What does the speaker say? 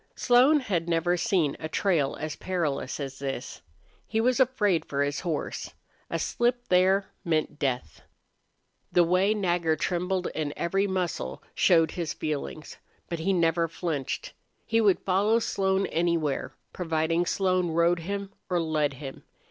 Slone had never seen a trail as perilous as this. He was afraid for his horse. A slip there meant death. The way Nagger trembled in every muscle showed his feelings. But he never flinched. He would follow Slone anywhere, providing Slone rode him or led him.